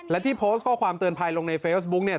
และที่โพสต์ข้อความเตือนภัยลงในเฟซบุ๊กเนี่ย